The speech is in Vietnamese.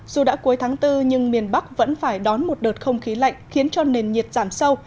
dù đã cuối tháng bốn nhưng miền bắc vẫn phải đón một đợt không khí lạnh khiến cho nền nhiệt giảm sâu